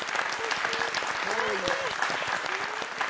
すごいね。